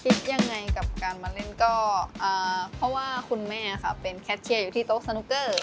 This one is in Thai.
คิดยังไงกับการมาเล่นก็เพราะว่าคุณแม่ค่ะเป็นแคทเชียร์อยู่ที่โต๊ะสนุกเกอร์